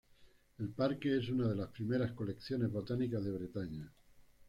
El parque es una de las primeras colecciones botánicas de Bretaña.